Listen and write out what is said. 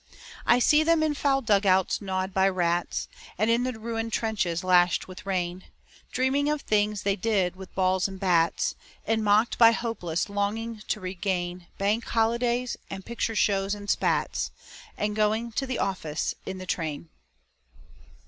I see them in foul dug outs, gnawed by rats, And in the ruined trenches, lashed with rain, Dreaming of things they did with balls and bats, And mocked by hopeless longing to regain Bank holidays, and picture shows, and spats, And going to the office in the train.